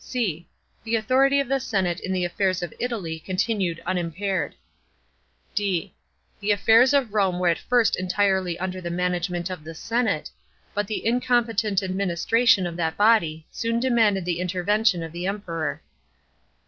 c. The authority of the senate in the affairs of Italy continued unimpaired. d. The affairs of Home were at first entirely under the manage ment of the senate, but the incompetent administration of that body soon demanded the intervention of the Emperor.